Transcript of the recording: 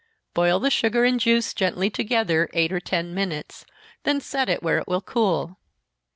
Boil the sugar and juice gently together, eight or ten minutes, then set it where it will cool.